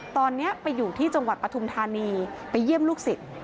ตอนนี้ไปอยู่ที่จังหวัดปฐุมธานีไปเยี่ยมลูกศิษย์